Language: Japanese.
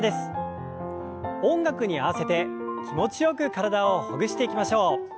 音楽に合わせて気持ちよく体をほぐしていきましょう。